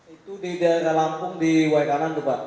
itu di daerah lampung di wairangan tuh pak